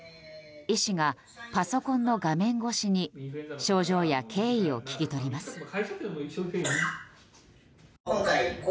医師がパソコンの画面越しに症状や経緯を聞き取ります。